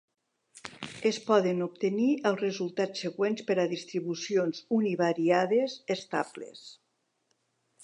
Es poden obtenir els resultats següents per a distribucions univariades estables.